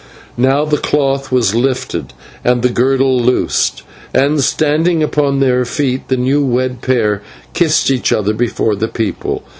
Now the cloth was lifted and the girdle loosed, and, standing upon their feet, the new wed pair kissed each other before the people.